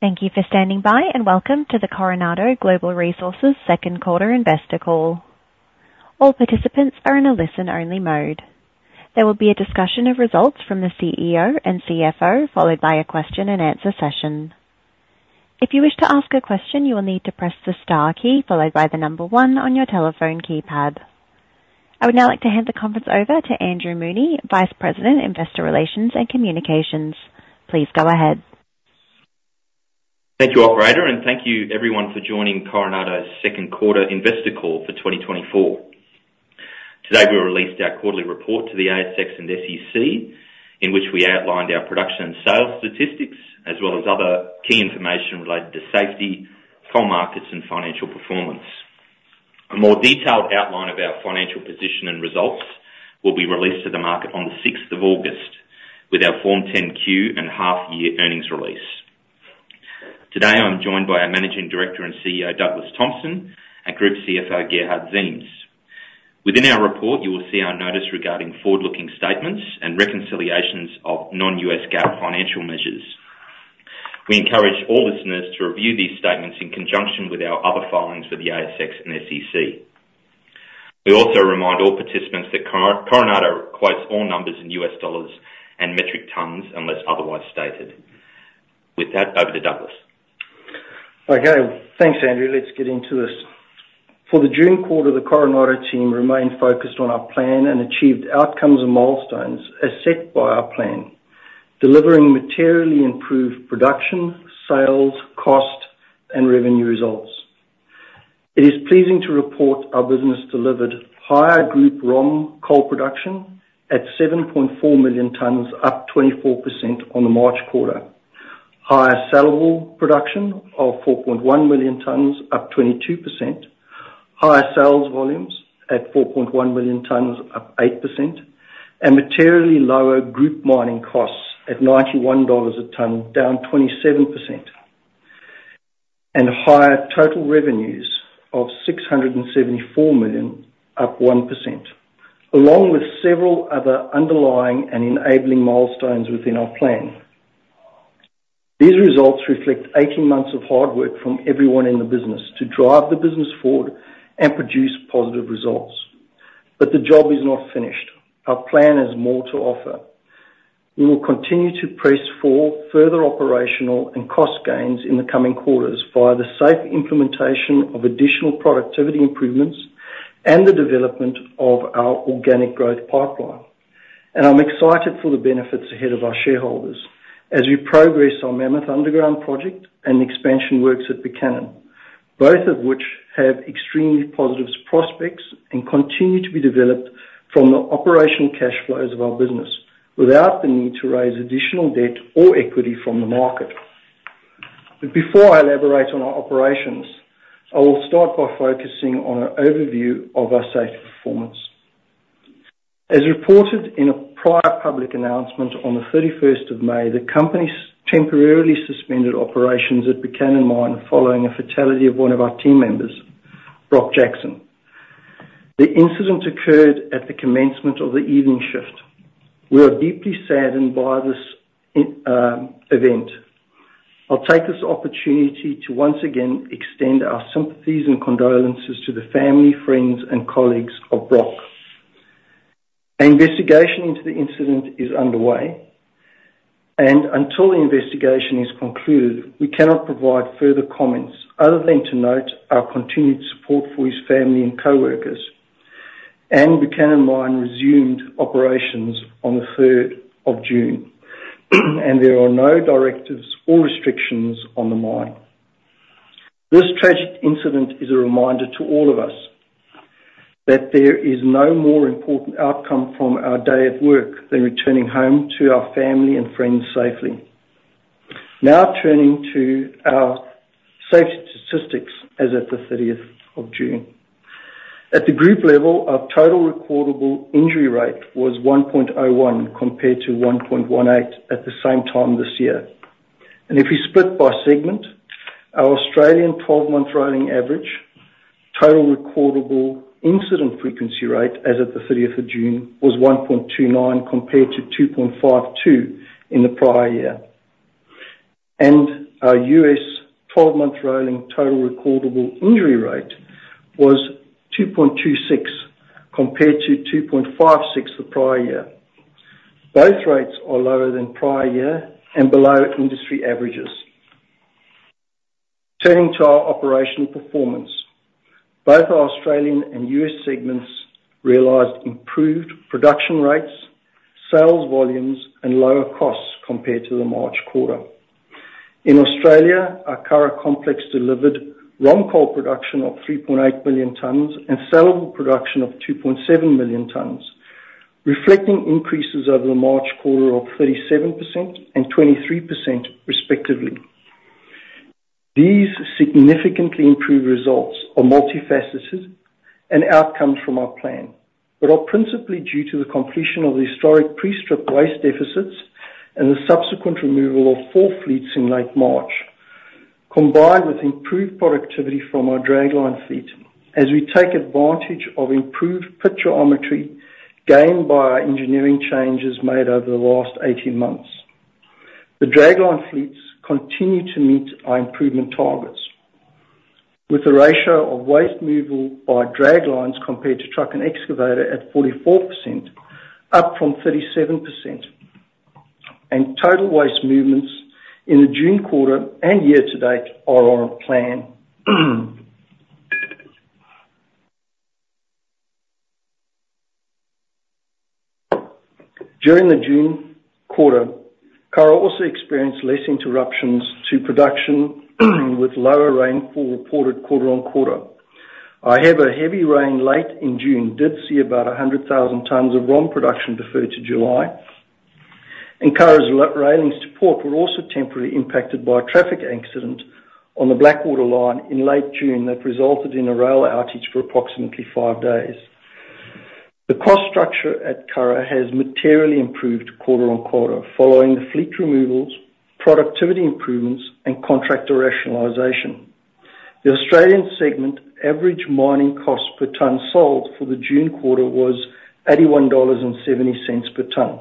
Thank you for standing by, and welcome to the Coronado Global Resources second quarter investor call. All participants are in a listen-only mode. There will be a discussion of results from the CEO and CFO, followed by a question-and-answer session. If you wish to ask a question, you will need to press the star key followed by the number one on your telephone keypad. I would now like to hand the conference over to Andrew Mooney, Vice President, Investor Relations and Communications. Please go ahead. Thank you, operator, and thank you everyone for joining Coronado's second quarter investor call for 2024. Today, we released our quarterly report to the ASX and SEC, in which we outlined our production and sales statistics, as well as other key information related to safety, coal markets, and financial performance. A more detailed outline of our financial position and results will be released to the market on the sixth of August with our Form 10-Q and half year earnings release. Today, I'm joined by our Managing Director and CEO, Douglas Thompson, and Group CFO, Gerhard Ziems. Within our report, you will see our notice regarding forward-looking statements and reconciliations of non-US GAAP financial measures. We encourage all listeners to review these statements in conjunction with our other filings with the ASX and SEC. We also remind all participants that Coronado quotes all numbers in U.S. dollars and metric tonnes unless otherwise stated. With that, over to Douglas. Okay, thanks, Andrew. Let's get into this. For the June quarter, the Coronado team remained focused on our plan and achieved outcomes and milestones as set by our plan, delivering materially improved production, sales, cost, and revenue results. It is pleasing to report our business delivered higher group ROM coal production at 7.4 million tonnes, up 24% on the March quarter. Higher sellable production of 4.1 million tonnes, up 22%. Higher sales volumes at 4.1 million tonnes, up 8%, and materially lower group mining costs at $91 a tonne, down 27%, and higher total revenues of $674 million, up 1%, along with several other underlying and enabling milestones within our plan. These results reflect 18 months of hard work from everyone in the business to drive the business forward and produce positive results. But the job is not finished. Our plan has more to offer. We will continue to press for further operational and cost gains in the coming quarters via the safe implementation of additional productivity improvements and the development of our organic growth pipeline. And I'm excited for the benefits ahead of our shareholders as we progress our Mammoth Underground project and expansion works at Buchanan, both of which have extremely positive prospects and continue to be developed from the operational cash flows of our business without the need to raise additional debt or equity from the market. But before I elaborate on our operations, I will start by focusing on an overview of our safety performance. As reported in a prior public announcement on the thirty-first of May, the company temporarily suspended operations at Buchanan Mine following a fatality of one of our team members, Brock Jackson. The incident occurred at the commencement of the evening shift. We are deeply saddened by this event. I'll take this opportunity to once again extend our sympathies and condolences to the family, friends and colleagues of Brock. An investigation into the incident is underway, and until the investigation is concluded, we cannot provide further comments other than to note our continued support for his family and coworkers. Buchanan Mine resumed operations on the third of June, and there are no directives or restrictions on the mine. This tragic incident is a reminder to all of us that there is no more important outcome from our day at work than returning home to our family and friends safely. Now, turning to our safety statistics as at the thirtieth of June. At the group level, our total recordable injury rate was 1.01, compared to 1.18 at the same time this year. If we split by segment, our Australian twelve-month rolling average total recordable incident frequency rate as of the thirtieth of June was 1.29, compared to 2.52 in the prior year. Our US twelve-month rolling total recordable injury rate was 2.26, compared to 2.56 the prior year. Both rates are lower than prior year and below industry averages. Turning to our operational performance. Both our Australian and US segments realized improved production rates, sales volumes, and lower costs compared to the March quarter. In Australia, our Curragh Complex delivered ROM coal production of 3.8 million tonnes and sellable production of 2.7 million tonnes, reflecting increases over the March quarter of 37% and 23% respectively. These significantly improved results are multifaceted and outcomes from our plan, but are principally due to the completion of the historic pre-strip waste deficits and the subsequent removal of 4 fleets in late March, combined with improved productivity from our dragline fleet, as we take advantage of improved pit geometry gained by our engineering changes made over the last 18 months. The dragline fleets continue to meet our improvement targets, with a ratio of waste movement by draglines compared to truck and excavator at 44%, up from 37%, and total waste movements in the June quarter and year to date are on plan. During the June quarter, Curragh also experienced less interruptions to production, with lower rainfall reported quarter-on-quarter. However, heavy rain late in June did see about 100,000 tonnes of ROM production deferred to July, and Curragh's railing support were also temporarily impacted by a traffic accident on the Blackwater line in late June that resulted in a rail outage for approximately 5 days. The cost structure at Curragh has materially improved quarter-on-quarter, following the fleet removals, productivity improvements, and contractor rationalization. The Australian segment average mining cost per ton sold for the June quarter was $81.70 per ton,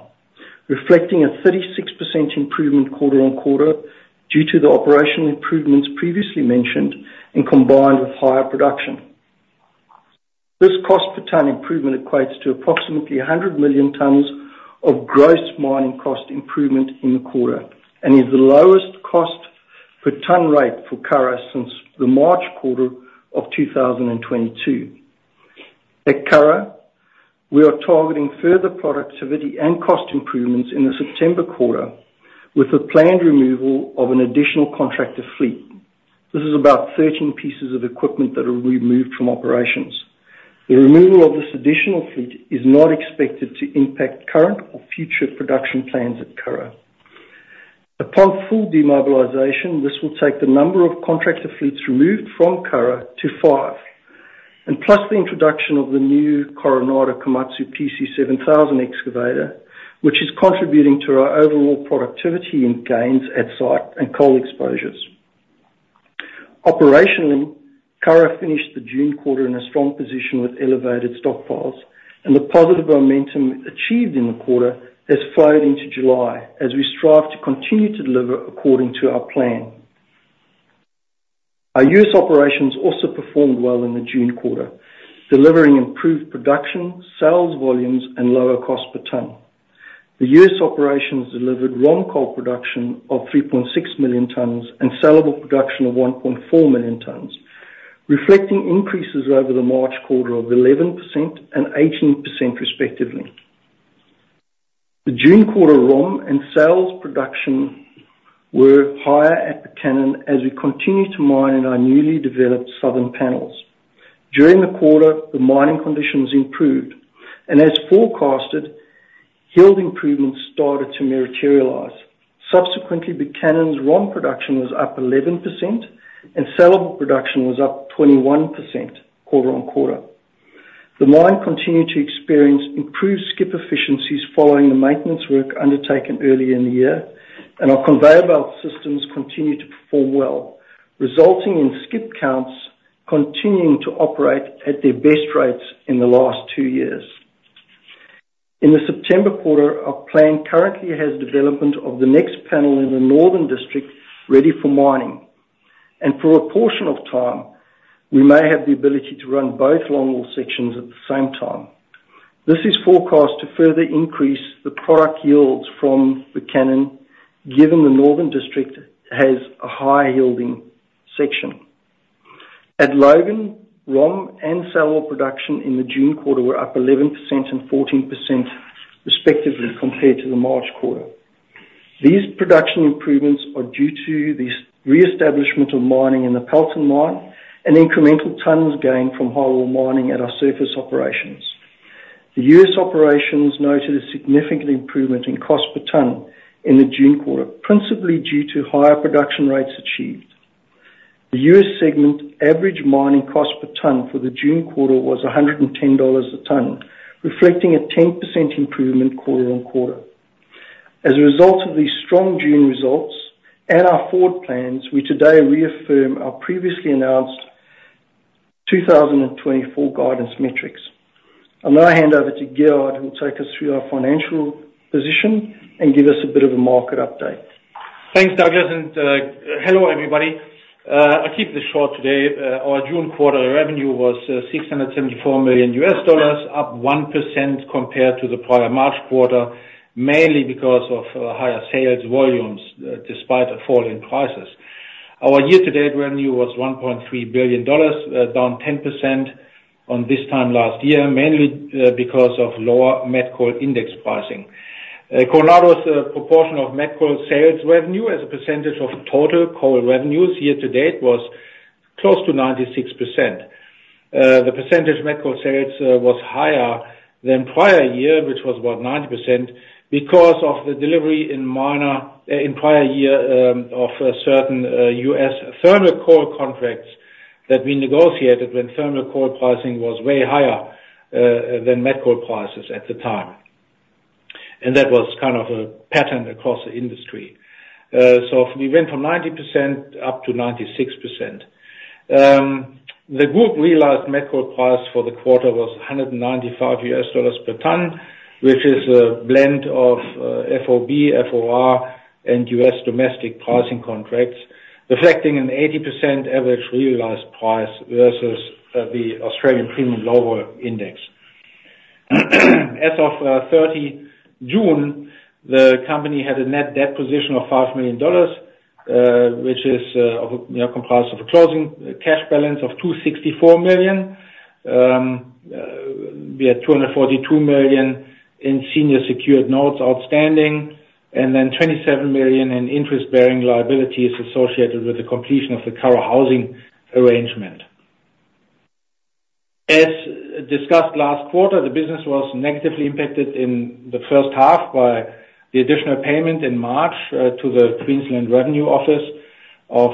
reflecting a 36% improvement quarter-on-quarter due to the operational improvements previously mentioned and combined with higher production. This cost per ton improvement equates to approximately 100 million tonnes of gross mining cost improvement in the quarter and is the lowest cost per ton rate for Curragh since the March quarter of 2022. At Curragh, we are targeting further productivity and cost improvements in the September quarter with a planned removal of an additional contractor fleet. This is about 13 pieces of equipment that are removed from operations. The removal of this additional fleet is not expected to impact current or future production plans at Curragh. Upon full demobilization, this will take the number of contractor fleets removed from Curragh to 5, and plus the introduction of the new Coronado Komatsu PC7000 excavator, which is contributing to our overall productivity and gains at site and coal exposures. Operationally, Curragh finished the June quarter in a strong position with elevated stockpiles, and the positive momentum achieved in the quarter has flowed into July as we strive to continue to deliver according to our plan. Our U.S. operations also performed well in the June quarter, delivering improved production, sales volumes, and lower cost per ton. The U.S. operations delivered ROM coal production of 3.6 million tonnes and sellable production of 1.4 million tonnes, reflecting increases over the March quarter of 11% and 18% respectively. The June quarter ROM and sales production were higher at Buchanan as we continue to mine in our newly developed southern panels. During the quarter, the mining conditions improved, and as forecasted, yield improvements started to materialize. Subsequently, Buchanan's ROM production was up 11%, and sellable production was up 21% quarter on quarter. The mine continued to experience improved skip efficiencies following the maintenance work undertaken earlier in the year, and our conveyor belt systems continue to perform well, resulting in skip counts continuing to operate at their best rates in the last two years. In the September quarter, our plan currently has development of the next panel in the Northern District ready for mining, and for a portion of time, we may have the ability to run both longwall sections at the same time. This is forecast to further increase the product yields from Buchanan, given the Northern District has a high-yielding section. At Logan, ROM and sellable production in the June quarter were up 11% and 14% respectively, compared to the March quarter. These production improvements are due to the reestablishment of mining in the Powellton Mine and incremental tonnes gained from highwall mining at our surface operations. The US operations noted a significant improvement in cost per ton in the June quarter, principally due to higher production rates achieved. The US segment average mining cost per ton for the June quarter was $110 a ton, reflecting a 10% improvement quarter-over-quarter. As a result of these strong June results and our forward plans, we today reaffirm our previously announced 2024 guidance metrics. I'll now hand over to Gerhard, who will take us through our financial position and give us a bit of a market update. Thanks, Douglas, and hello, everybody. I'll keep this short today. Our June quarter revenue was $674 million, up 1% compared to the prior March quarter, mainly because of higher sales volumes despite a fall in prices. Our year-to-date revenue was $1.3 billion, down 10% on this time last year, mainly because of lower met coal index pricing. Coronado's proportion of met coal sales revenue as a percentage of total coal revenues year to date was close to 96%. The percentage met coal sales was higher than prior year, which was about 90%, because of the delivery in minor in prior year of a certain US thermal coal contracts that we negotiated when thermal coal pricing was way higher than met coal prices at the time. And that was kind of a pattern across the industry. So we went from 90% up to 96%. The group realized met coal price for the quarter was $195 per tonne, which is a blend of FOB, FOR, and US domestic pricing contracts, reflecting an 80% average realized price versus the Australian Premium Low Vol index. As of 30 June, the company had a net debt position of $5 million, which is, of, you know, comprised of a closing cash balance of $264 million. We had $242 million in senior secured notes outstanding, and then $27 million in interest-bearing liabilities associated with the completion of the Curragh housing arrangement. As discussed last quarter, the business was negatively impacted in the first half by the additional payment in March to the Queensland Revenue Office of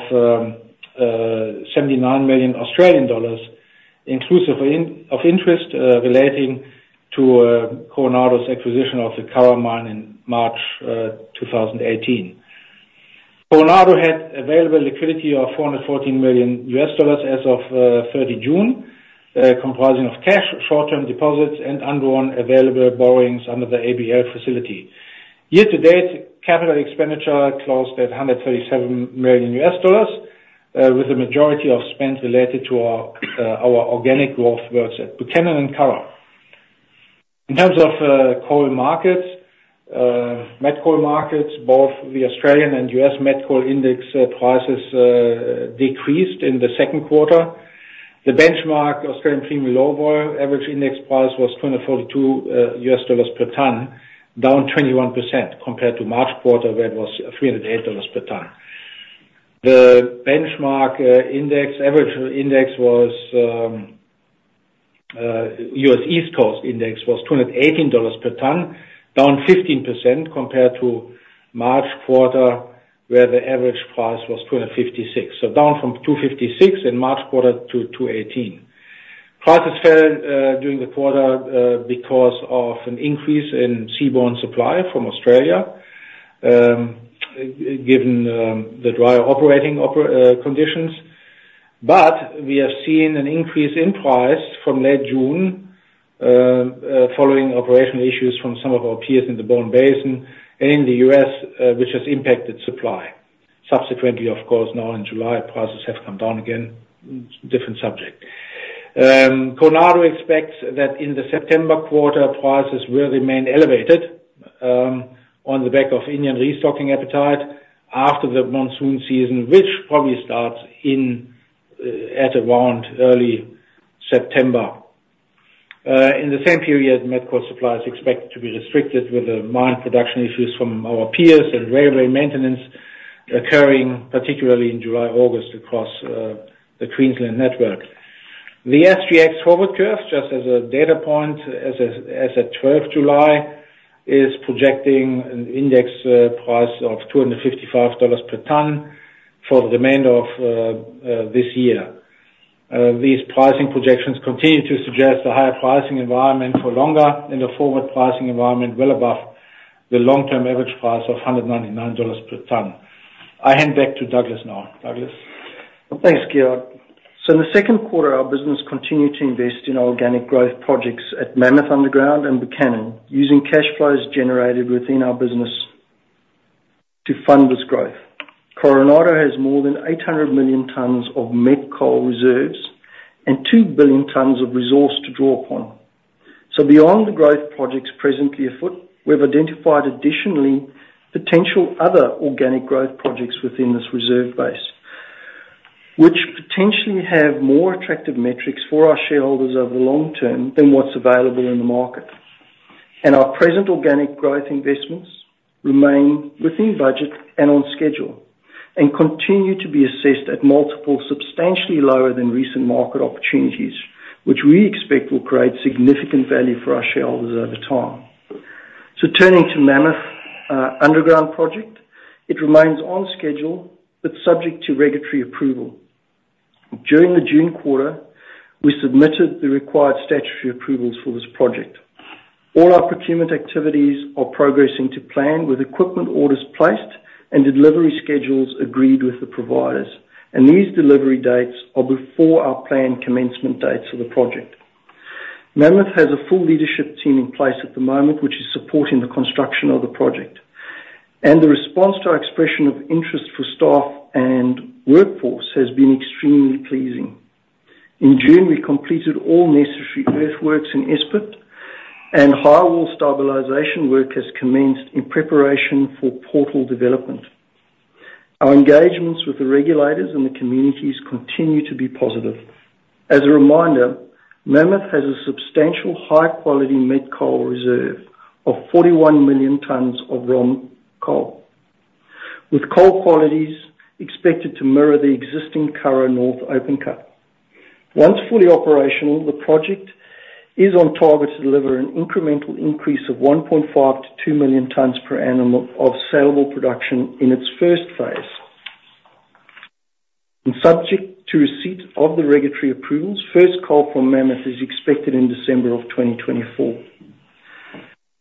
79 million Australian dollars, inclusive of interest, relating to Coronado's acquisition of the Curragh mine in March 2018. Coronado had available liquidity of $414 million as of 30 June, comprising of cash, short-term deposits, and undrawn available borrowings under the ABL facility. Year-to-date, capital expenditure closed at $137 million, with the majority of spend related to our, our organic growth works at Buchanan and Curragh. In terms of, coal markets, met coal markets, both the Australian and US met coal index, prices, decreased in the second quarter. The benchmark Australian Premium Low Vol average index price was $242 per tonne, down 21% compared to March quarter, where it was, $308 per tonne. The benchmark, index, average index was, US East Coast index was $218 per tonne, down 15% compared to March quarter, where the average price was $256. So down from $256 in March quarter to $218. Prices fell during the quarter because of an increase in seaborne supply from Australia, given the drier operating conditions. But we have seen an increase in price from late June following operational issues from some of our peers in the Bowen Basin and in the US, which has impacted supply. Subsequently, of course, now in July, prices have come down again. Different subject. Coronado expects that in the September quarter, prices will remain elevated on the back of Indian restocking appetite after the monsoon season, which probably starts at around early September. In the same period, met coal supply is expected to be restricted with the mine production issues from our peers and railway maintenance occurring, particularly in July, August, across the Queensland network. The SGX forward curve, just as a data point, as at 12th July, is projecting an index price of $255 per tonne for the remainder of this year. These pricing projections continue to suggest a higher pricing environment for longer, and a forward pricing environment well above the long-term average price of $199 per tonne. I hand back to Douglas now. Douglas? Thanks, Gerhard. So in the second quarter, our business continued to invest in organic growth projects at Mammoth Underground and Buchanan, using cash flows generated within our business to fund this growth. Coronado has more than 800 million tonnes of met coal reserves and 2 billion tonnes of resource to draw upon. So beyond the growth projects presently afoot, we've identified additionally potential other organic growth projects within this reserve base, which potentially have more attractive metrics for our shareholders over the long term than what's available in the market. And our present organic growth investments remain within budget and on schedule, and continue to be assessed at multiple, substantially lower than recent market opportunities, which we expect will create significant value for our shareholders over time. So turning to Mammoth Underground project, it remains on schedule, but subject to regulatory approval. During the June quarter, we submitted the required statutory approvals for this project. All our procurement activities are progressing to plan, with equipment orders placed and delivery schedules agreed with the providers, and these delivery dates are before our planned commencement dates for the project. Mammoth has a full leadership team in place at the moment, which is supporting the construction of the project, and the response to our expression of interest for staff and workforce has been extremely pleasing. In June, we completed all necessary earthworks in S-Pit, and highwall stabilization work has commenced in preparation for portal development. Our engagements with the regulators and the communities continue to be positive. As a reminder, Mammoth has a substantial high-quality met coal reserve of 41 million tonnes of raw coal, with coal qualities expected to mirror the existing Curragh North open cut. Once fully operational, the project is on target to deliver an incremental increase of 1.5-2 million tonnes per annum of saleable production in its first phase. And subject to receipt of the regulatory approvals, first coal from Mammoth is expected in December of 2024.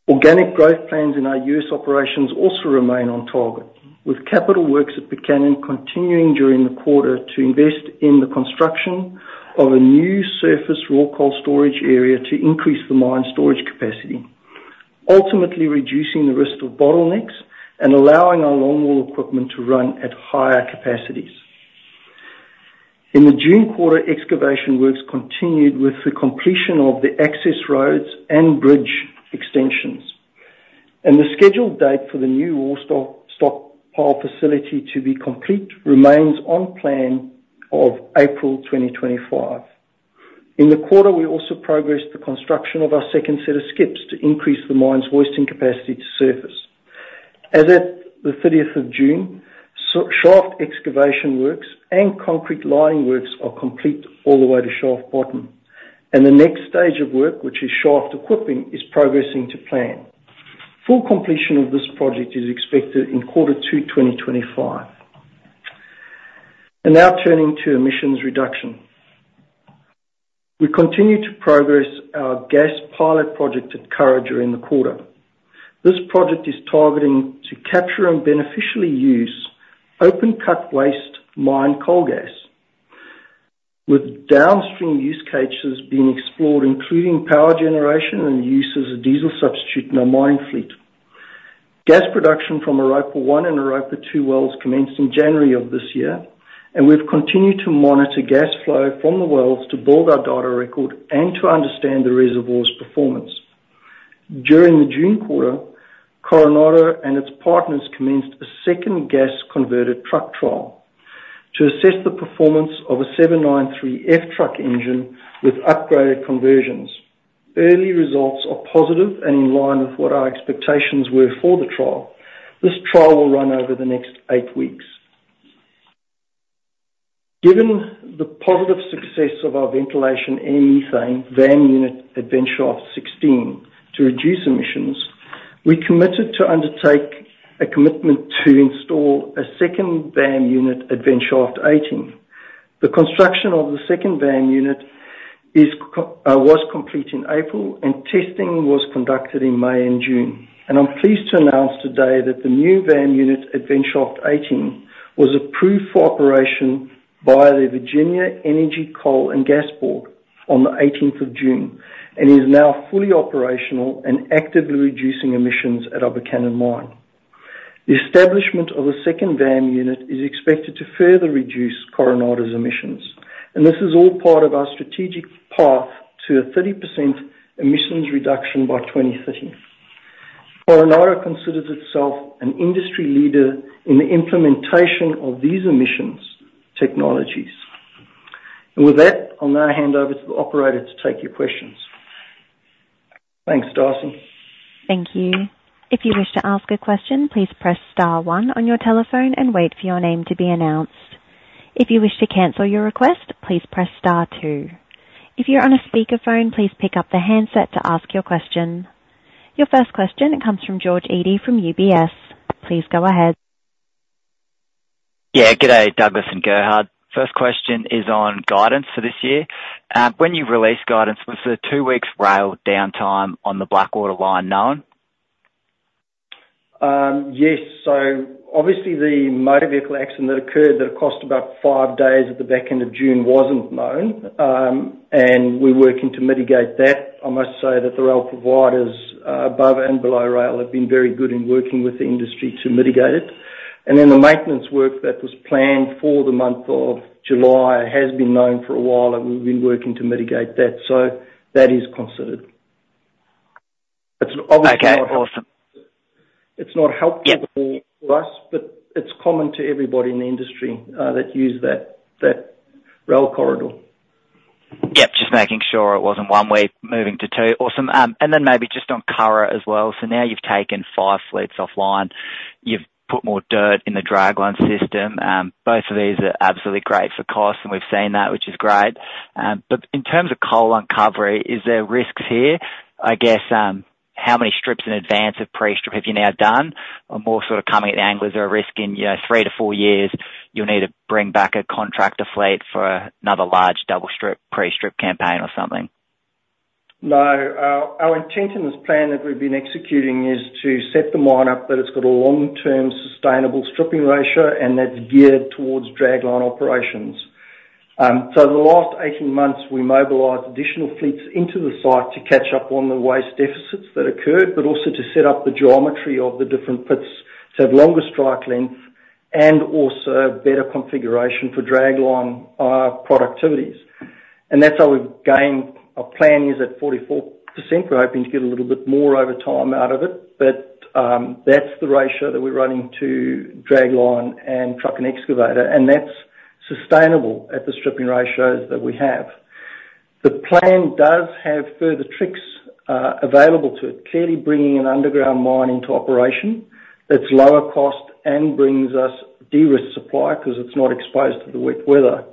Organic growth plans in our U.S. operations also remain on target, with capital works at Buchanan continuing during the quarter to invest in the construction of a new surface raw coal storage area to increase the mine storage capacity, ultimately reducing the risk of bottlenecks and allowing our longwall equipment to run at higher capacities. In the June quarter, excavation works continued with the completion of the access roads and bridge extensions, and the scheduled date for the new coal stockpile facility to be complete remains on plan of April 2025. In the quarter, we also progressed the construction of our second set of skips to increase the mine's hoisting capacity to surface. As at the 30th of June, shaft excavation works and concrete lining works are complete all the way to shaft bottom, and the next stage of work, which is shaft equipping, is progressing to plan. Full completion of this project is expected in quarter two, 2025. Now turning to emissions reduction. We continue to progress our gas pilot project at Curragh during the quarter. This project is targeting to capture and beneficially use open-cut waste mine coal gas, with downstream use cases being explored, including power generation and use as a diesel substitute in our mine fleet. Gas production from Europa-1 and Europa-2 wells commenced in January of this year, and we've continued to monitor gas flow from the wells to build our data record and to understand the reservoir's performance. During the June quarter, Coronado and its partners commenced a second gas converted truck trial to assess the performance of a 793F truck engine with upgraded conversions. Early results are positive and in line with what our expectations were for the trial. This trial will run over the next eight weeks. Given the positive success of our ventilation and methane, VAM unit, at Vent Shaft 16 to reduce emissions, we committed to undertake a commitment to install a second VAM unit at Vent Shaft 18. The construction of the second VAM unit was complete in April, and testing was conducted in May and June. I'm pleased to announce today that the new VAM unit at Vent Shaft 18 was approved for operation by the Virginia Gas and Oil Board on the eighteenth of June, and is now fully operational and actively reducing emissions at our Buchanan Mine. The establishment of a second VAM unit is expected to further reduce Coronado's emissions, and this is all part of our strategic path to a 30% emissions reduction by 2030. Coronado considers itself an industry leader in the implementation of these emissions technologies. With that, I'll now hand over to the operator to take your questions. Thanks, Darcy. Thank you. If you wish to ask a question, please press star one on your telephone and wait for your name to be announced. If you wish to cancel your request, please press star two. If you're on a speakerphone, please pick up the handset to ask your question. Your first question comes from George Eadie from UBS. Please go ahead. Yeah, good day, Douglas and Gerhard. First question is on guidance for this year. When you released guidance, was the two weeks rail downtime on the Blackwater line known? Yes. So obviously, the motor vehicle accident that occurred, that cost about five days at the back end of June, wasn't known, and we're working to mitigate that. I must say that the rail providers, above and below rail, have been very good in working with the industry to mitigate it. And then the maintenance work that was planned for the month of July has been known for a while, and we've been working to mitigate that. So that is considered. Okay, awesome. It's not helpful- Yep. -for us, but it's common to everybody in the industry that use that, that rail corridor. Yep, just making sure it wasn't one way, moving to two. Awesome. And then maybe just on Curragh as well. So now you've taken five fleets offline. You've put more dirt in the dragline system. Both of these are absolutely great for cost, and we've seen that, which is great. But in terms of coal uncovery, is there risks here? I guess, how many strips in advance of pre-strip have you now done? Or more sort of coming at the angle, is there a risk in, you know, 3-4 years, you'll need to bring back a contractor fleet for another large double strip, pre-strip campaign or something? No. Our intent in this plan that we've been executing is to set the mine up that it's got a long-term sustainable stripping ratio, and that's geared towards dragline operations. So the last 18 months, we mobilized additional fleets into the site to catch up on the waste deficits that occurred, but also to set up the geometry of the different pits, to have longer strike length and also better configuration for dragline productivities. And that's how we've gained... Our plan is at 44%. We're hoping to get a little bit more over time out of it, but that's the ratio that we're running to dragline and truck and excavator, and that's sustainable at the stripping ratios that we have. The plan does have further tricks available to it, clearly bringing an underground mine into operation. It's lower cost and brings us de-risk supply because it's not exposed to the wet weather....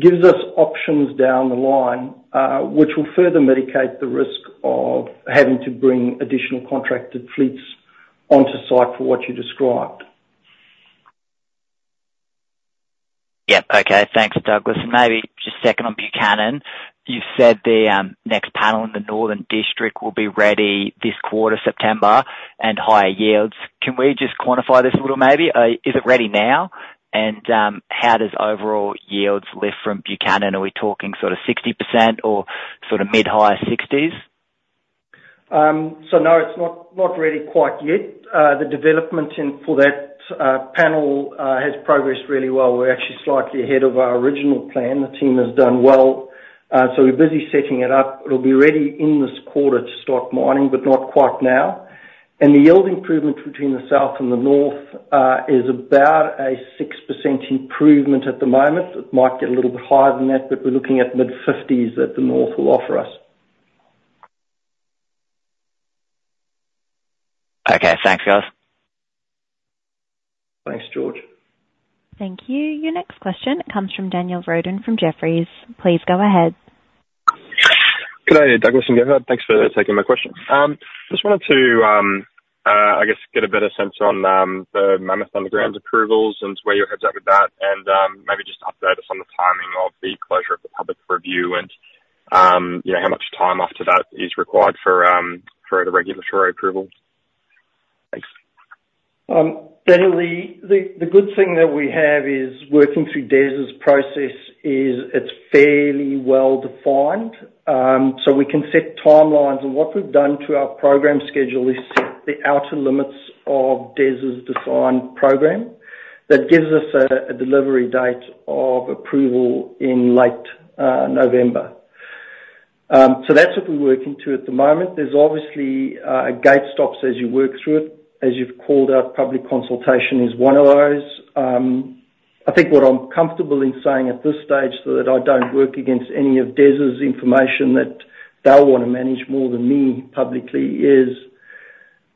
gives us options down the line, which will further mitigate the risk of having to bring additional contracted fleets onto site for what you described. Yep. Okay, thanks, Douglas. Maybe just second on Buchanan, you said the next panel in the Northern District will be ready this quarter, September, and higher yields. Can we just quantify this a little maybe? Is it ready now? And how does overall yields lift from Buchanan? Are we talking sort of 60% or sort of mid-higher 60s? So no, it's not, not ready quite yet. The development in, for that, panel, has progressed really well. We're actually slightly ahead of our original plan. The team has done well, so we're busy setting it up. It'll be ready in this quarter to start mining, but not quite now. And the yield improvements between the south and the north, is about a 6% improvement at the moment. It might get a little bit higher than that, but we're looking at mid-fifties that the north will offer us. Okay. Thanks, guys. Thanks, George. Thank you. Your next question comes from Daniel Roden, from Jefferies. Please go ahead. Good day, Douglas and Gerhard. Thanks for taking my question. Just wanted to, I guess, get a better sense on the Mammoth Underground approvals and where your head's at with that, and maybe just update us on the timing of the closure of the public review and, yeah, how much time after that is required for the regulatory approvals. Thanks. Daniel, the good thing that we have is working through DES's process is it's fairly well defined, so we can set timelines. What we've done to our program schedule is set the outer limits of DES's design program. That gives us a delivery date of approval in late November. That's what we're working to at the moment. There's obviously gate stops as you work through it. As you've called out, public consultation is one of those. I think what I'm comfortable in saying at this stage, so that I don't work against any of DES's information, that they'll want to manage more than me publicly, is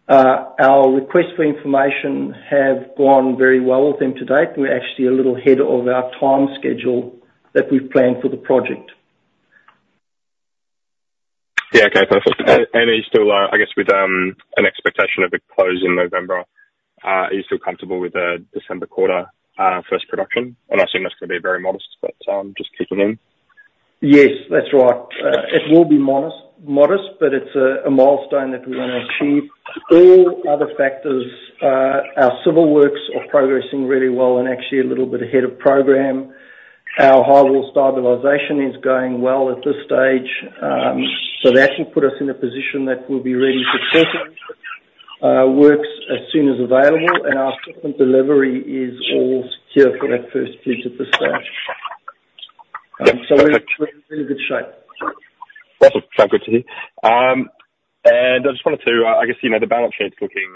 our request for information have gone very well with them to date. We're actually a little ahead of our time schedule that we've planned for the project. Yeah. Okay, perfect. And are you still, I guess, with an expectation of it closing November, are you still comfortable with a December quarter, first production? And I assume that's gonna be very modest, but just kicking in. Yes, that's right. It will be modest, modest, but it's a milestone that we want to achieve. All other factors, our civil works are progressing really well and actually a little bit ahead of program. Our highwall stabilization is going well at this stage, so that will put us in a position that we'll be ready for surface works as soon as available, and our surface delivery is all secure for that first pit at the start. Yeah, perfect. So we're in a good shape. Awesome. Sounds good to hear. I just wanted to, I guess, you know, the balance sheet's looking,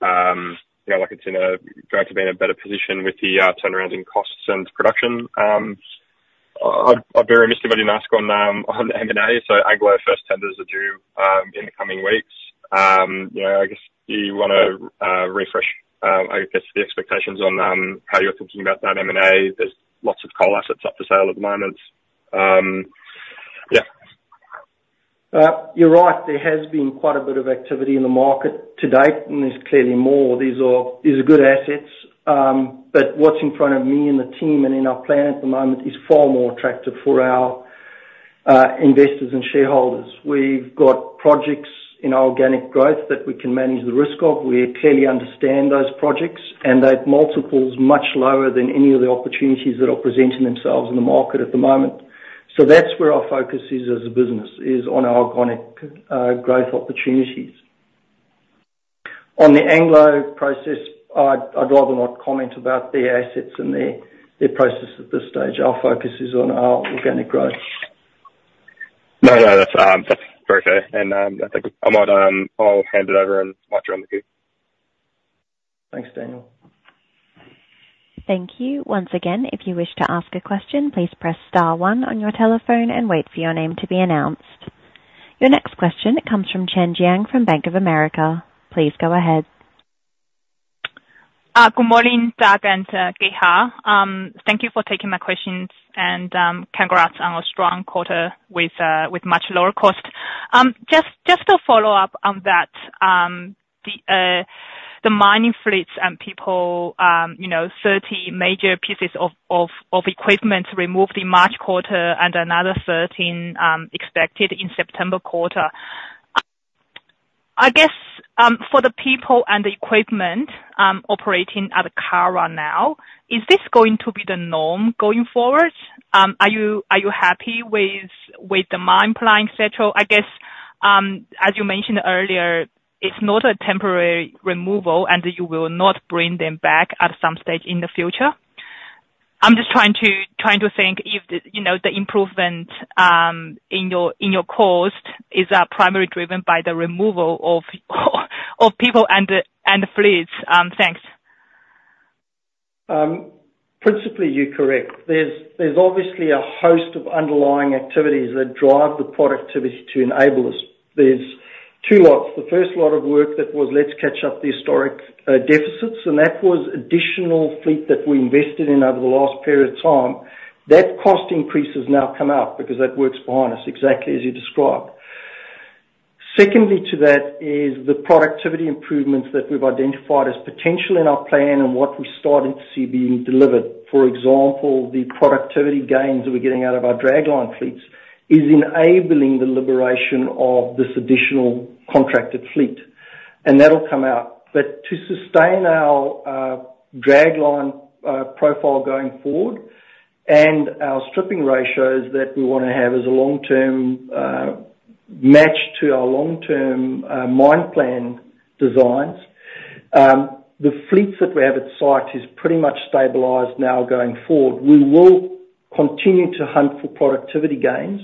you know, like it's in a, going to be in a better position with the turnaround in costs and production. I'd be remiss if I didn't ask on M&A, so Anglo's first tenders are due in the coming weeks. You know, I guess, do you wanna refresh the expectations on how you're thinking about that M&A? There's lots of coal assets up for sale at the moment. Yeah. You're right, there has been quite a bit of activity in the market to date, and there's clearly more. These are good assets, but what's in front of me and the team and in our plan at the moment is far more attractive for our investors and shareholders. We've got projects in our organic growth that we can manage the risk of. We clearly understand those projects, and their multiple's much lower than any of the opportunities that are presenting themselves in the market at the moment. So that's where our focus is as a business, is on our organic growth opportunities. On the Anglo process, I'd rather not comment about their assets and their process at this stage. Our focus is on our organic growth. No, no, that's fair day. And, I think I might, I'll hand it over and back around the group. Thanks, Daniel. Thank you. Once again, if you wish to ask a question, please press star one on your telephone and wait for your name to be announced. Your next question comes from Chenxuan Zhang from Bank of America. Please go ahead. Good morning, Douglas and Gerhard. Thank you for taking my questions, and congrats on a strong quarter with much lower cost. Just to follow up on that, the mining fleets and people, you know, 30 major pieces of equipment removed in March quarter and another 13 expected in September quarter. I guess, for the people and the equipment operating at Curragh now, is this going to be the norm going forward? Are you happy with the mine plan, et cetera? I guess, as you mentioned earlier, it's not a temporary removal, and you will not bring them back at some stage in the future. I'm just trying to think if the, you know, the improvement in your cost is primarily driven by the removal of people and fleets. Thanks. Principally, you're correct. There's obviously a host of underlying activities that drive the productivity to enable this. There are two lots. The first lot of work that was to catch up the historic deficits, and that was additional fleet that we invested in over the last period of time. That cost increase has now come out because that work is behind us, exactly as you described. Secondly to that is the productivity improvements that we've identified as potential in our plan and what we're starting to see being delivered. For example, the productivity gains that we're getting out of our dragline fleets is enabling the liberation of this additional contracted fleet, and that'll come out. But to sustain our dragline profile going forward and our stripping ratios that we wanna have as a long-term match to our long-term mine plan designs, the fleets that we have at site is pretty much stabilized now going forward. We will continue to hunt for productivity gains,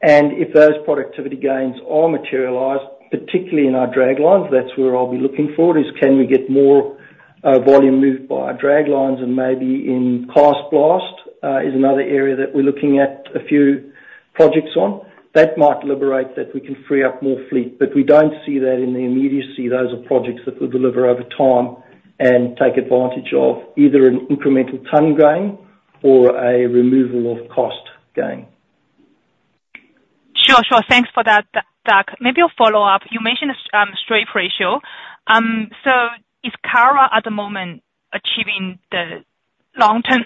and if those productivity gains are materialized, particularly in our draglines, that's where I'll be looking for, is can we get more volume moved by our draglines and maybe in cast blast is another area that we're looking at a few projects on. That might liberate, that we can free up more fleet, but we don't see that in the immediacy. Those are projects that will deliver over time and take advantage of either an incremental ton gain or a removal of cost gain. Sure, sure. Thanks for that, Doug. Maybe a follow-up. You mentioned strip ratio. So is Curragh, at the moment, achieving the long-term,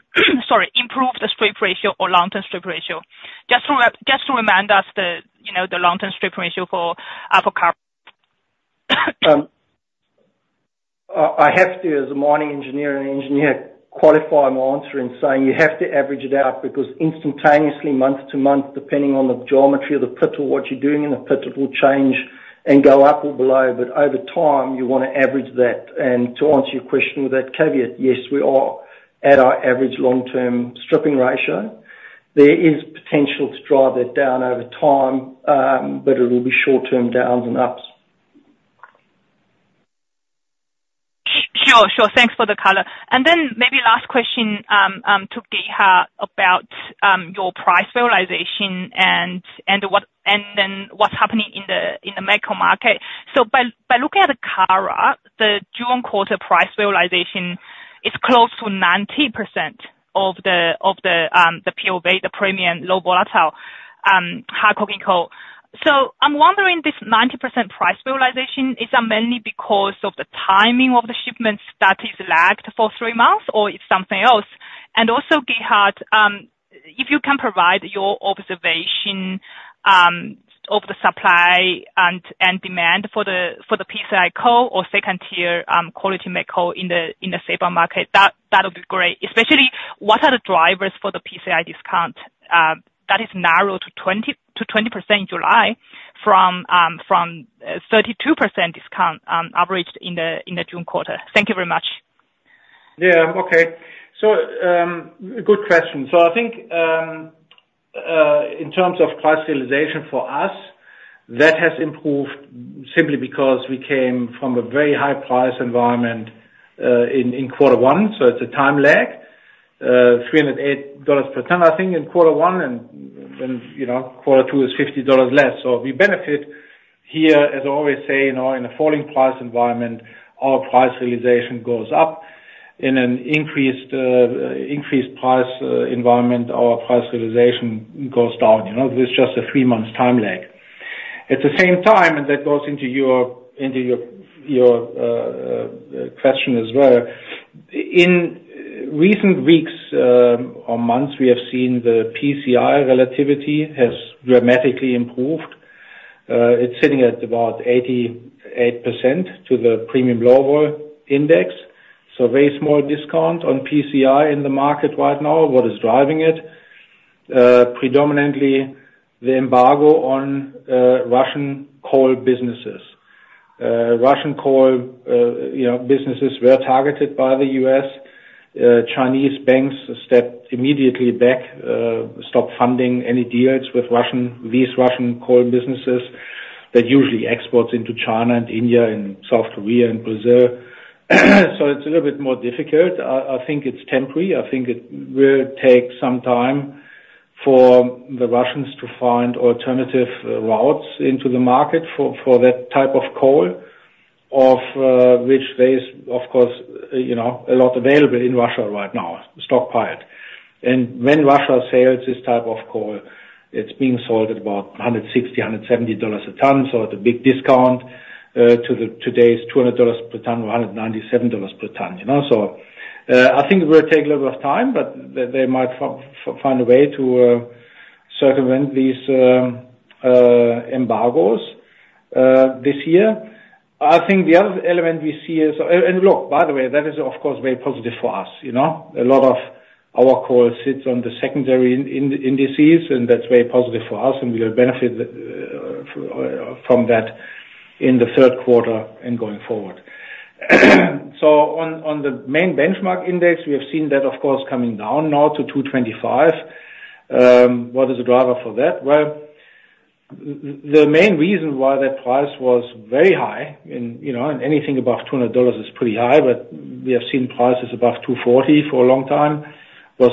sorry, improve the strip ratio or long-term strip ratio? Just to remind us the, you know, the long-term strip ratio for at Curragh. I have to, as a mining engineer and engineer, qualify my answer in saying you have to average it out, because instantaneously, month to month, depending on the geometry of the pit or what you're doing in the pit, it will change and go up or below. But over time, you wanna average that. And to answer your question with that caveat, yes, we are at our average long-term stripping ratio. There is potential to drive that down over time, but it will be short-term downs and ups. Sure, sure. Thanks for the color. Then maybe last question to Gerhard about your price realization and what's happening in the macro market. So by looking at the chart, the June quarter price realization is close to 90% of the PLV, the Premium Low Volatile high coking coal. So I'm wondering, this 90% price realization, is that mainly because of the timing of the shipments that is lagged for three months, or it's something else? And also, Gerhard, if you can provide your observation of the supply and demand for the PCI coal or second-tier quality met in the seaborne market, that'll be great. Especially, what are the drivers for the PCI discount that is narrowed to 20 to 20% in July from 32% discount averaged in the June quarter? Thank you very much. Yeah. Okay. So, good question. So I think, in terms of price realization for us, that has improved simply because we came from a very high price environment in quarter one, so it's a time lag. $308 per ton, I think, in quarter one, and, you know, quarter two is $50 less. So we benefit here, as I always say, you know, in a falling price environment, our price realization goes up. In an increased price environment, our price realization goes down. You know, there's just a 3 months time lag. At the same time, and that goes into your question as well, in recent weeks or months, we have seen the PCI relativity has dramatically improved. It's sitting at about 88% to the premium global index, so very small discount on PCI in the market right now. What is driving it? Predominantly, the embargo on Russian coal businesses. Russian coal, you know, businesses were targeted by the U.S. Chinese banks stepped immediately back, stopped funding any deals with Russian, these Russian coal businesses that usually exports into China and India and South Korea and Brazil. So it's a little bit more difficult. I, I think it's temporary. I think it will take some time for the Russians to find alternative routes into the market for, for that type of coal, of, which there is, of course, you know, a lot available in Russia right now, stockpiled. When Russia sells this type of coal, it's being sold at about $160-$170 a ton, so at a big discount to today's $200 per ton, or $197 per ton, you know? So, I think it will take a little bit of time, but they might find a way to circumvent these embargoes this year. I think the other element we see is... And look, by the way, that is, of course, very positive for us, you know? A lot of our coal sits on the secondary in indices, and that's very positive for us, and we'll benefit from that in the third quarter and going forward. So, on the main benchmark index, we have seen that, of course, coming down now to $225. What is the driver for that? Well, the main reason why that price was very high, and, you know, and anything above $200 is pretty high, but we have seen prices above $240 for a long time... was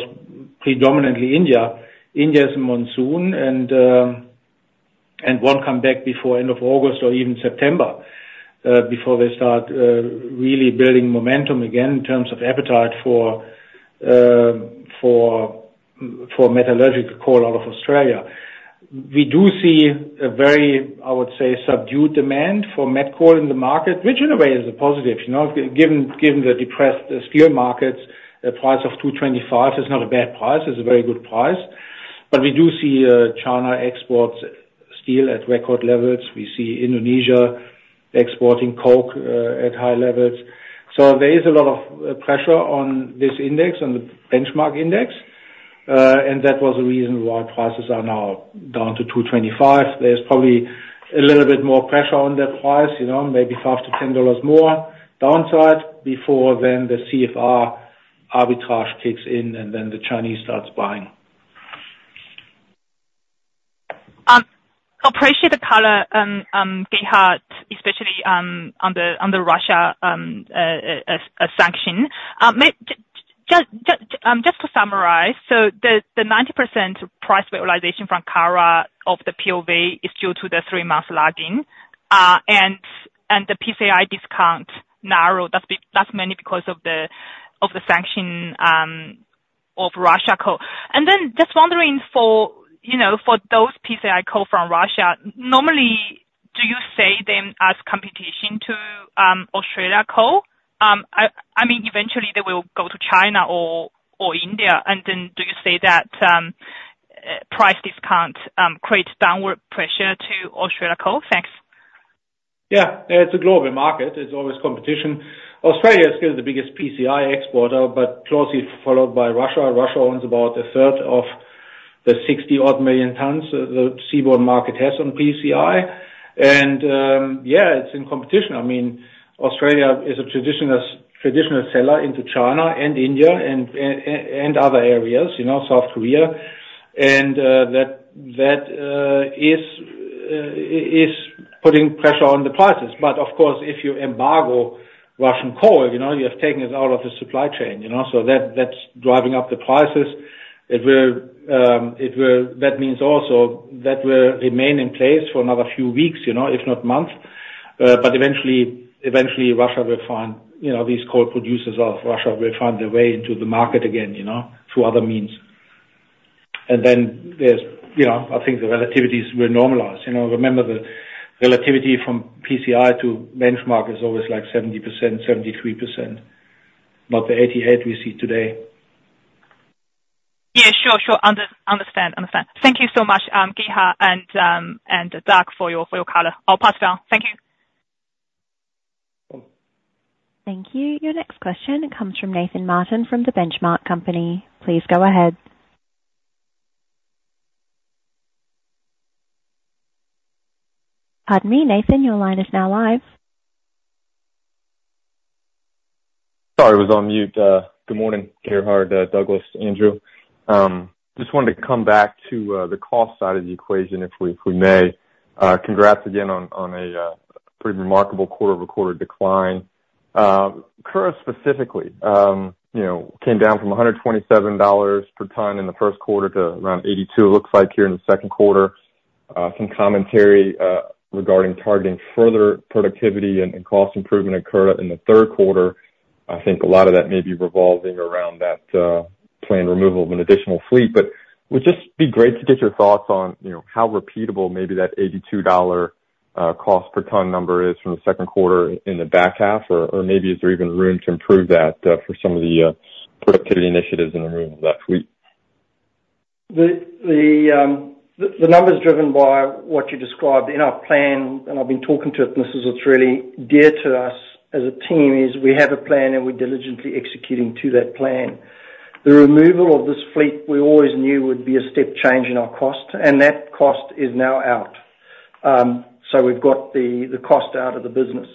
predominantly India. India is a monsoon, and, and won't come back before end of August or even September, before they start, really building momentum again in terms of appetite for, for, for metallurgical coal out of Australia. We do see a very, I would say, subdued demand for met coal in the market, which in a way is a positive, you know, given, given the depressed steel markets, a price of $225 is not a bad price, it's a very good price. But we do see, China export steel at record levels. We see Indonesia exporting coke, at high levels. So there is a lot of, pressure on this index, on the benchmark index, and that was the reason why prices are now down to $225. There's probably a little bit more pressure on that price, you know, maybe $5-$10 more downside before then the CFR arbitrage kicks in, and then the Chinese starts buying. Appreciate the color, Gerhard, especially on the Russian sanction. Just to summarize, so the 90% price realization from Curragh of the PLV is due to the three-month lag in, and the PCI discount narrow. That's mainly because of the sanction of Russian coal. And then just wondering, you know, for those PCI coal from Russia, normally, do you see them as competition to Australian coal? I mean, eventually they will go to China or India, and then do you see that price discount creates downward pressure to Australian coal? Thanks. Yeah, it's a global market. There's always competition. Australia is still the biggest PCI exporter, but closely followed by Russia. Russia owns about a third of the 60-odd million tonnes the seaborne market has on PCI. And, yeah, it's in competition. I mean, Australia is a traditional, traditional seller into China and India and, and other areas, you know, South Korea, and, that, that, is putting pressure on the prices. But of course, if you embargo Russian coal, you know, you have taken it out of the supply chain, you know, so that, that's driving up the prices. It will, it will—that means also that will remain in place for another few weeks, you know, if not months. But eventually, Russia will find, you know, these coal producers of Russia will find their way into the market again, you know, through other means. And then there's, you know, I think the relativities will normalize. You know, remember, the relativity from PCI to benchmark is always like 70%, 73%, not the 88% we see today. Yeah, sure, sure. Understand. Understand. Thank you so much, Gerhard, and Doug, for your color. I'll pass it on. Thank you. Thank you. Your next question comes from Nathan Martin, from the Benchmark Company. Please go ahead. Pardon me, Nathan, your line is now live. Sorry, was on mute. Good morning, Gerhard, Douglas, Andrew. Just wanted to come back to the cost side of the equation, if we may. Congrats again on a pretty remarkable quarter-over-quarter decline. Curragh specifically, you know, came down from $127 per ton in the first quarter to around 82, it looks like, here in the second quarter. Some commentary regarding targeting further productivity and cost improvement occurred in the third quarter. I think a lot of that may be revolving around that planned removal of an additional fleet. But would just be great to get your thoughts on, you know, how repeatable maybe that $82 cost per ton number is from the second quarter in the back half? Or maybe is there even room to improve that for some of the productivity initiatives in the room last week? The numbers driven by what you described in our plan, and I've been talking to it, and this is what's really dear to us as a team, is we have a plan and we're diligently executing to that plan. The removal of this fleet, we always knew would be a step change in our cost, and that cost is now out. So we've got the cost out of the business,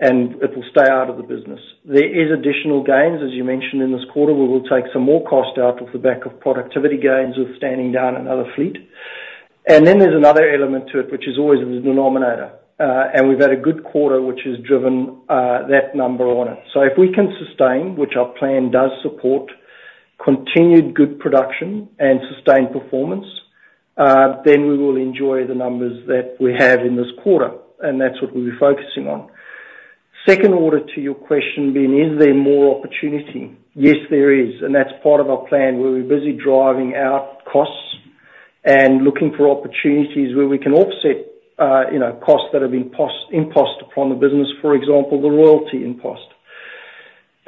and it'll stay out of the business. There is additional gains, as you mentioned, in this quarter. We will take some more cost out of the back of productivity gains with standing down another fleet. And then there's another element to it, which is always the denominator, and we've had a good quarter, which has driven that number on it. So if we can sustain, which our plan does support, continued good production and sustained performance, then we will enjoy the numbers that we have in this quarter, and that's what we'll be focusing on. Second order to your question being: Is there more opportunity? Yes, there is, and that's part of our plan. We're busy driving out costs and looking for opportunities where we can offset, you know, costs that have been imposed upon the business, for example, the royalty impost.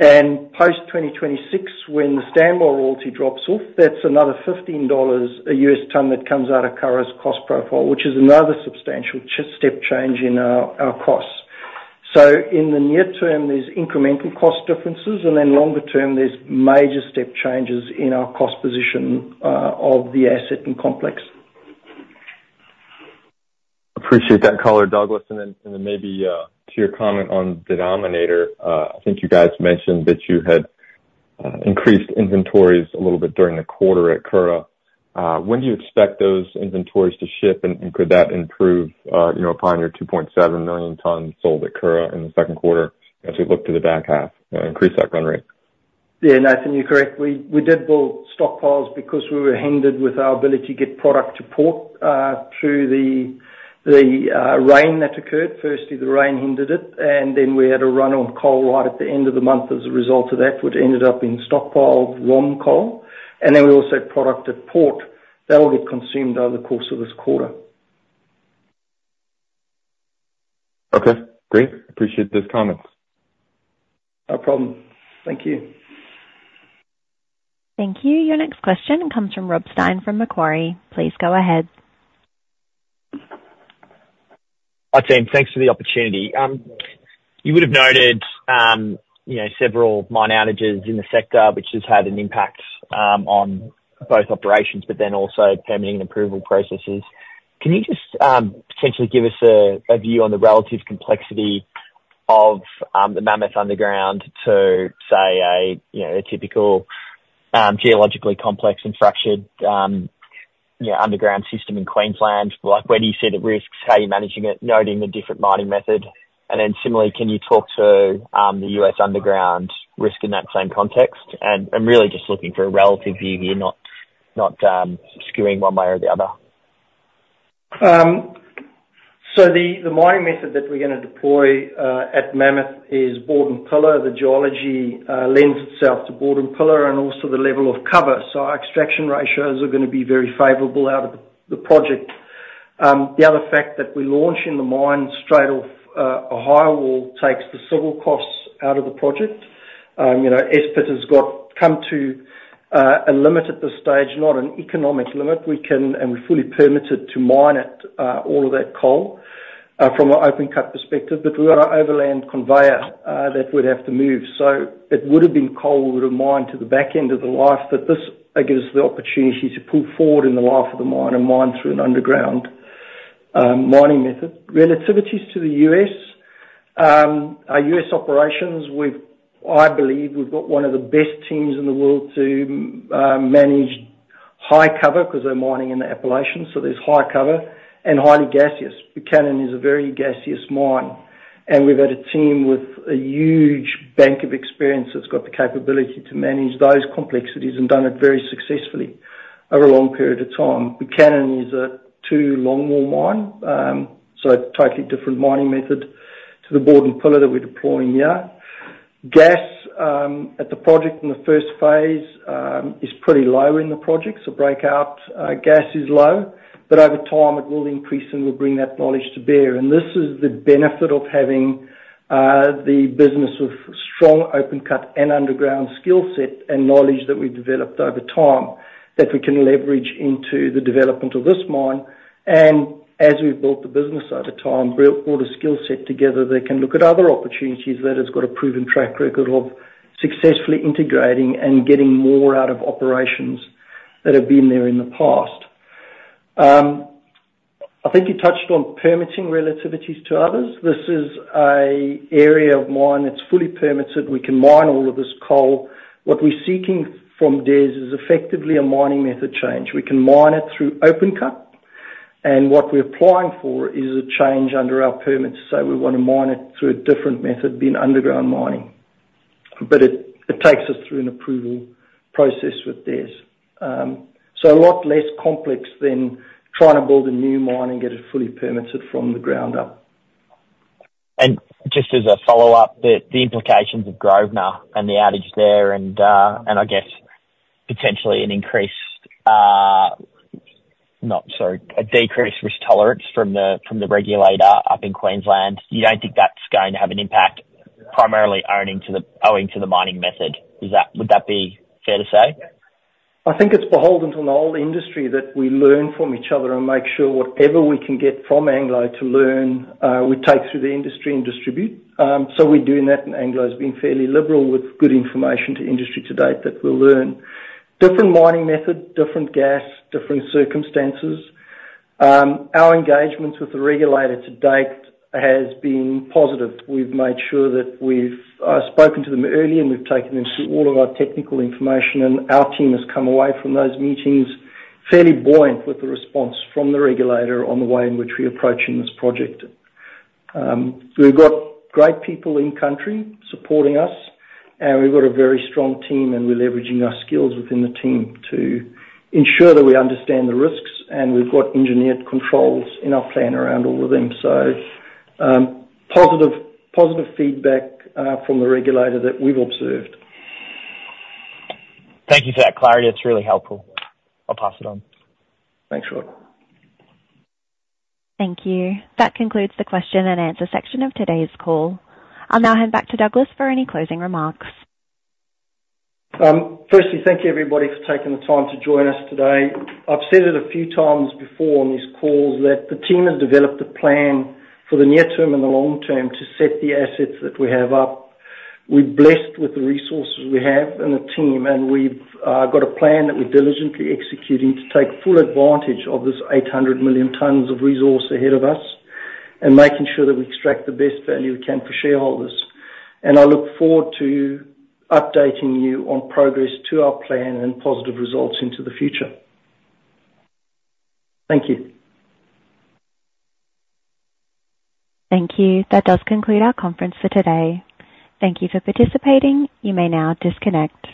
And post-2026, when the standby royalty drops off, that's another $15 a US ton that comes out of Curragh's cost profile, which is another substantial step change in our costs. So in the near term, there's incremental cost differences, and then longer term, there's major step changes in our cost position, of the asset and complex. Appreciate that color, Douglas. And then maybe, to your comment on denominator, I think you guys mentioned that you had increased inventories a little bit during the quarter at Curragh. When do you expect those inventories to ship, and, and could that improve, you know, upon your 2.7 million tonnes sold at Curragh in the second quarter as we look to the back half, increase that run rate? Yeah, Nathan, you're correct. We, we did build stockpiles because we were hindered with our ability to get product to port through the rain that occurred. Firstly, the rain hindered it, and then we had a run on coal right at the end of the month as a result of that, which ended up in stockpiled ROM coal, and then we also had product at port. That will get consumed over the course of this quarter. Okay, great. Appreciate those comments. No problem. Thank you. Thank you. Your next question comes from Robert Stein from Macquarie. Please go ahead. Hi, team. Thanks for the opportunity. You would have noted, you know, several mine outages in the sector, which has had an impact on both operations, but then also permitting and approval processes. Can you just potentially give us a view on the relative complexity of the Mammoth Underground to, say, a you know, a typical geologically complex and fractured you know, underground system in Queensland? Like, where do you see the risks? How are you managing it, noting the different mining method? And then similarly, can you talk to the U.S. underground risk in that same context? And I'm really just looking for a relative view here, not, not skewing one way or the other. So the mining method that we're gonna deploy at Mammoth is bord and pillar. The geology lends itself to bord and pillar and also the level of cover. So our extraction ratios are gonna be very favorable out of the project. The other fact that we're launching the mine straight off a highwall takes the civil costs out of the project. You know, S-Pit has come to a limit at this stage, not an economic limit. We can, and we're fully permitted to mine it all of that coal from an open cut perspective, but we've got an overland conveyor that would have to move. So it would have been coal we would have mined to the back end of the life, but this, it gives us the opportunity to pull forward in the life of the mine and mine through an underground mining method. Relativities to the US, our US operations, I believe we've got one of the best teams in the world to manage high cover because they're mining in the Appalachians, so there's high cover and highly gaseous. Buchanan is a very gaseous mine, and we've got a team with a huge bank of experience that's got the capability to manage those complexities and done it very successfully over a long period of time. Buchanan is a two longwall mine, so a totally different mining method to the bord and pillar that we're deploying here. Gas at the project in the first phase is pretty low in the project, so breakout gas is low, but over time it will increase, and we'll bring that knowledge to bear. And this is the benefit of having the business with strong open cut and underground skill set and knowledge that we've developed over time, that we can leverage into the development of this mine. And as we've built the business over time, built all the skill set together, they can look at other opportunities that has got a proven track record of successfully integrating and getting more out of operations that have been there in the past. I think you touched on permitting relativities to others. This is a area of mine that's fully permitted. We can mine all of this coal. What we're seeking from DES is effectively a mining method change. We can mine it through open cut, and what we're applying for is a change under our permits. So we want to mine it through a different method, being underground mining. But it takes us through an approval process with this. So a lot less complex than trying to build a new mine and get it fully permitted from the ground up. And just as a follow-up, the implications of Grosvenor and the outage there and I guess potentially a decreased risk tolerance from the regulator up in Queensland, you don't think that's going to have an impact, primarily owing to the mining method? Is that... Would that be fair to say? I think it's beholden to the whole industry that we learn from each other and make sure whatever we can get from Anglo to learn, we take through the industry and distribute. So we're doing that, and Anglo has been fairly liberal with good information to industry to date that we'll learn. Different mining method, different gas, different circumstances. Our engagements with the regulator to date has been positive. We've made sure that we've spoken to them early, and we've taken them through all of our technical information, and our team has come away from those meetings fairly buoyant with the response from the regulator on the way in which we're approaching this project. We've got great people in country supporting us, and we've got a very strong team, and we're leveraging our skills within the team to ensure that we understand the risks, and we've got engineered controls in our plan around all of them. So, positive, positive feedback from the regulator that we've observed. Thank you for that clarity. It's really helpful. I'll pass it on. Thanks, Rob. Thank you. That concludes the question and answer section of today's call. I'll now hand back to Douglas for any closing remarks. Firstly, thank you, everybody, for taking the time to join us today. I've said it a few times before on these calls, that the team has developed a plan for the near term and the long term to set the assets that we have up. We're blessed with the resources we have and the team, and we've got a plan that we're diligently executing to take full advantage of this 800 million tonnes of resource ahead of us and making sure that we extract the best value we can for shareholders. And I look forward to updating you on progress to our plan and positive results into the future. Thank you. Thank you. That does conclude our conference for today. Thank you for participating. You may now disconnect.